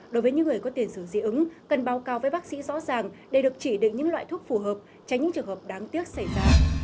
đối với những người có tiền sử dị ứng cần báo cáo với bác sĩ rõ ràng để được chỉ định những loại thuốc phù hợp tránh những trường hợp đáng tiếc xảy ra